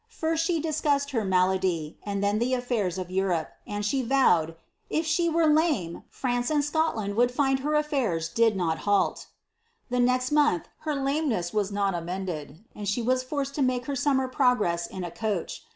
First she discussed her malady, and then the affairs of Europe, and she vowed, ^ if she were kme, France and Scotland would find her aflairs did not halt." ' The next month her lameness was not amended, and she was forced to make her summer progress in a coach.